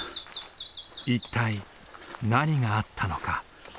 一体何があったのか。